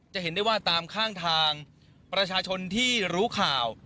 จะเห็นได้ว่าตามข้างทางประชาชนที่รู้ข่าว